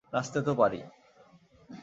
নাচতে তো পারি।